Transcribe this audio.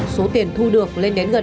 số tiền thu được lên đến gần